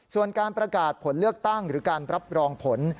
ส่วนการประกาศผลเลือกตั้งหรือการรับรองผล